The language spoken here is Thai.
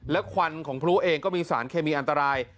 และควันของพลุเองก็มีสารเคมีอันตราย